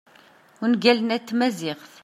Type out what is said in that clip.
ungalen-a n tmaziɣt